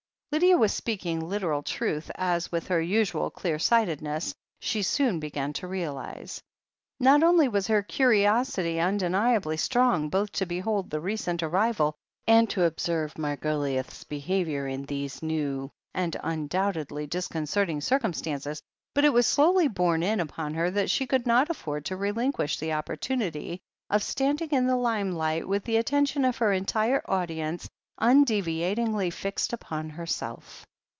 Lydia was speaking literal truth, as, with her usual clear sightedness, she soon began to realize. Not only was her curiosity undeniably strong, both to behold the recent arrival, and to observe Margo liouth's behaviour in these new and undoubtedly dis concerting circumstances — ^but it was slowly borne in upon her that she could not afford to relinquish the opportimity of standing in the lime light with the atten tion of her entire audience undeviatingly fixed upon herself.